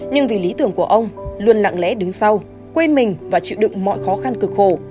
nhưng vì lý tưởng của ông luôn lặng lẽ đứng sau quên mình và chịu đựng mọi khó khăn cực khổ